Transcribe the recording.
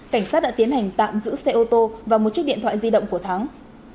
cảnh sát đã tiến hành tạm giữ xe ô tô và một chiếc điện thoại di động của thắng